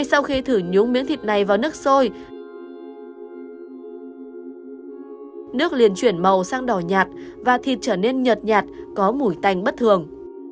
sau khi thử nhúng miếng thịt này vào nước sôi nước liền chuyển màu sang đỏ nhạt và thịt trở nên nhật nhạt có mùi tanh bất thường